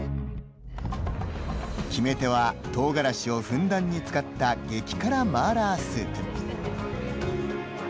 決め手は、とうがらしをふんだんに使った激辛麻辣スープ。